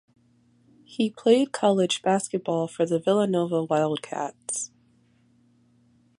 He played college basketball for the Villanova Wildcats.